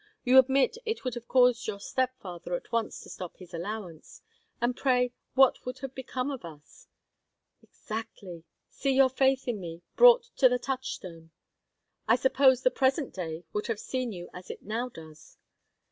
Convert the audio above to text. You admit it would have caused your step father at once to stop his allowance. And pray what would have become of us?" "Exactly. See your faith in me, brought to the touchstone!" "I suppose the present day would have seen you as it now does?"